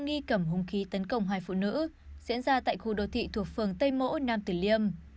nghi cầm hung khí tấn công hai phụ nữ diễn ra tại khu đô thị thuộc phường tây mỗ nam tử liêm